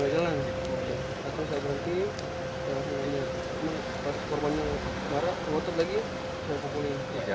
lalu korbannya kemarah kemotot lagi saya kembali